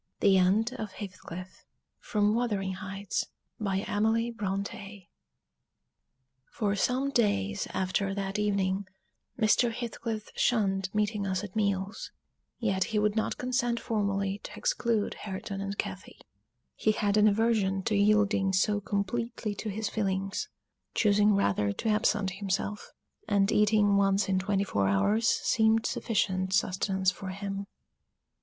THE END OF HEATHCLIFF From Emily Bronté's 'Wuthering Heights' For some days after that evening Mr. Heathcliff shunned meeting us at meals; yet he would not consent formally to exclude Hareton and Cathy. He had an aversion to yielding so completely to his feelings, choosing rather to absent himself; and eating once in twenty four hours seemed sufficient sustenance for him.